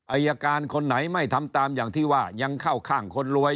อายการคนไหนไม่ทำตามอย่างที่ว่ายังเข้าข้างคนรวย